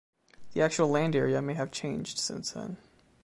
The actual land area may have changed since then.